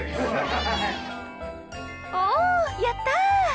おやった！